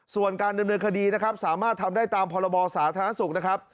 ส่วนการดำเนินคดีนะครับสามารถทำได้ตามพรบสาธารณสุขนะครับ